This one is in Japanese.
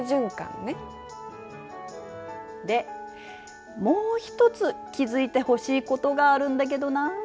でもう一つ気付いてほしいことがあるんだけどな。